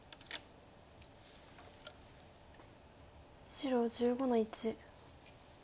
白１５の一。